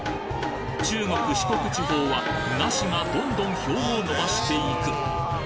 中国・四国地方はナシがどんどん票を伸ばしていく！